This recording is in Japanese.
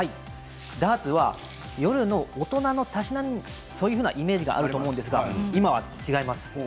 ダーツは夜の大人のたしなみ、そういうイメージがあるかもしれませんが今は違います。